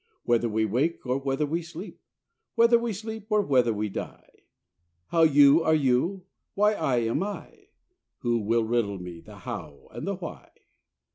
Whether we wake or whether we sleep? Whether we sleep or whether we die? How you are you? Why I am I? Who will riddle me the how and the why?